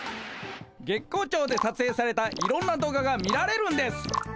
月光町でさつえいされたいろんな動画が見られるんです。